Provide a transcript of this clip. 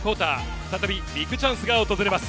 再びビッグチャンスが訪れます。